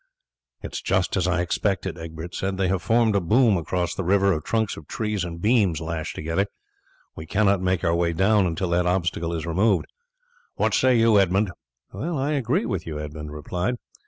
"It is just as I expected," Egbert said; "they have formed a boom across the river of trunks of trees and beams lashed together. We cannot make our way down until that obstacle is removed. What say you Edmund?" "I agree with you," Edmund replied.